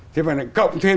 thì còn lại cộng thêm